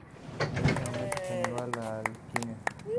En ese momento, se negó a la alquimia.